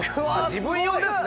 自分用ですね。